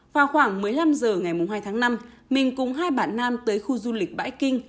vào khoảng một mươi năm h ngày hai tháng năm mình cùng hai bạn nam tới khu du lịch bãi kinh